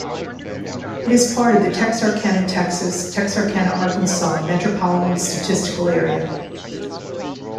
It is part of the Texarkana, Texas - Texarkana, Arkansas Metropolitan Statistical Area.